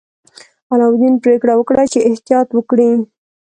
علاوالدین پریکړه وکړه چې احتیاط وکړي.